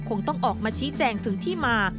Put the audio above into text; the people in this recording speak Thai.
คงต้องออกมาชี้แจงถึงที่มา